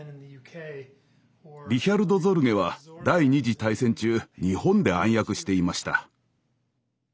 リヒャルト・ゾルゲは第二次大戦中日本で暗躍していました。